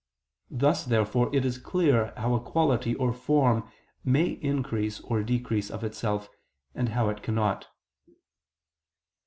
Thus therefore it is clear how a quality or form may increase or decrease of itself, and how it cannot.